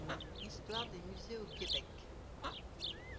Histoire des musées au Québec.